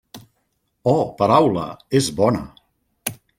Oh, paraula, és bona.